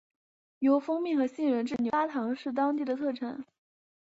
由蜂蜜和杏仁制作的牛轧糖是当地的特产。